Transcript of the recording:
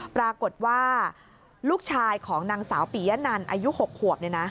ปรากฏว่าลูกชายของนางสาวปียะนันอายุ๖ขวบ